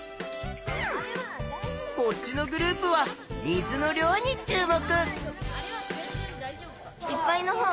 こっちのグループは水の量に注目！